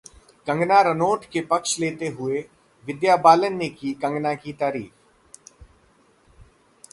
कंगना रनोट का पक्ष लेते हुए विद्या बालन ने की कंगना की तारीफ